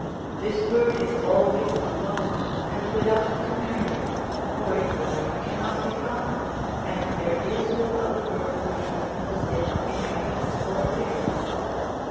This bird is always alone and without companion, for its like cannot be found, and there is no other bird which resembles it in habits or appearance.